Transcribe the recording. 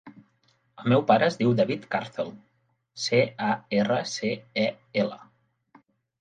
El meu pare es diu David Carcel: ce, a, erra, ce, e, ela.